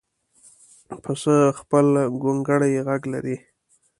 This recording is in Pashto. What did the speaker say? پسه خپل ګونګړی غږ لري.